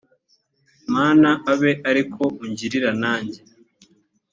mana abe ari ko ungirira nanjye